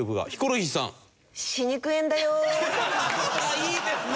いいですね！